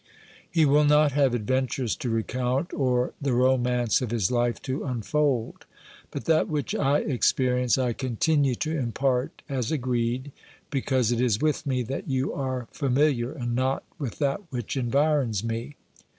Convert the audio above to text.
He will not have adventures to recount or the romance of his life to unfold. But that which I experience I continue to impart, as agreed, because it is with me that you are familiar and not with that which environs me.